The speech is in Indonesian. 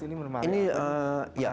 ini lemari apa